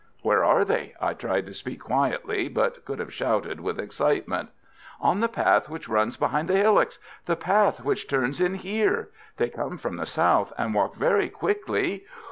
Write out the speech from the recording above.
"Where are they?" I tried to speak quietly, but could have shouted with excitement. "On the path which runs behind the hillocks the path which turns in here. They come from the south, and walk very quickly.